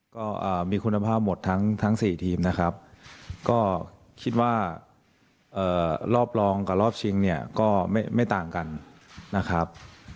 ก็มีคุณภาพหมดทั้ง๔ทีมนะครับก็คิดว่ารอบรองกับรอบชิงเนี่ยก็ไม่ต่างกันนะครับ